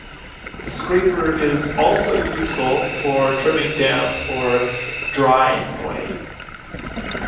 The scraper is also useful for trimming damp or dry clay.